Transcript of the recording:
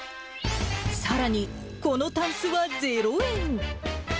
さらにこのタンスは０円。